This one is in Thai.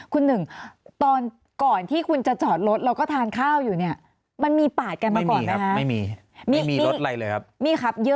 คุณหนึ่งก่อนที่คุณจะจอดรถเราก็ทานข้าวอยู่เนี่ย